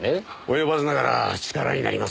及ばずながら力になりますよ。